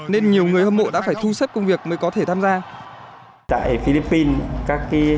nên nhiều người hâm mộ đã phải thu xếp công việc mới có thể tham gia